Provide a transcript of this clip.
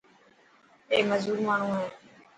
اي مزور ماڻهو هي.